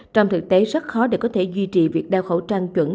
trong thực tế rất khó để có thể duy trì việc đeo khẩu trang chuẩn